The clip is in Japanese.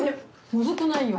むずくないよ。